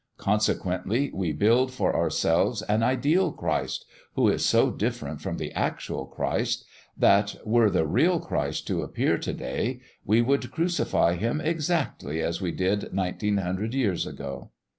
Consequently we build for ourselves an ideal Christ who is so different from the actual Christ that, were the real Christ to appear to day, we would crucify Him exactly as we did nineteen hundred years ago.